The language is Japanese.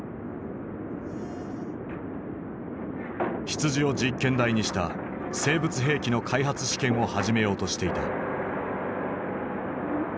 羊を実験台にした生物兵器の開発試験を始めようとしていた。